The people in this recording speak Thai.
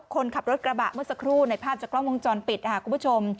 คนขับรถกระบะเมื่อสักครู่ในภาพจากกล้องวงจรปิดค่ะคุณผู้ชม